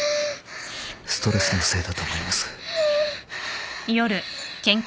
ストレスのせいだと思います。